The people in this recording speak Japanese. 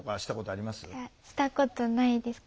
いやしたことないです。